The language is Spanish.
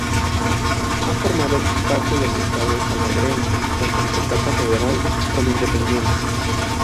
Ha formado parte del Estado salvadoreño, tanto en su etapa federal, como independiente.